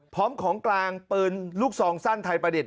พร้อมของกลางปืนลูกซองสั้นไทยประดิษฐ